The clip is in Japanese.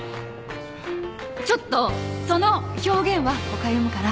ちょっとその表現は誤解生むから。